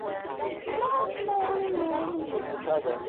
谒者是中国古代官名。